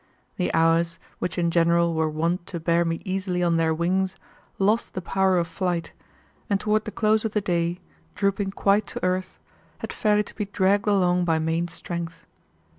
The hours, which in general were wont to bear me easily on their wings, lost the power of flight, and toward the close of the day, drooping quite to earth, had fairly to be dragged along by main strength.